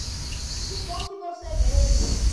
Que bom que você veio.